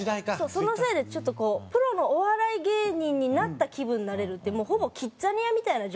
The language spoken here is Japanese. そのせいでちょっとこうプロのお笑い芸人になった気分になれるっていうほぼキッザニアみたいな状態なんです。